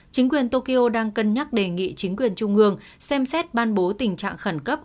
chính quyền tokyo đang cân nhắc đề nghị chính quyền trung ương xem xét ban bố tình trạng khẩn cấp